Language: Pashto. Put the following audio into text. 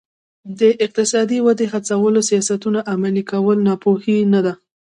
د اقتصادي ودې هڅولو سیاستونه عملي کول ناپوهي نه ده.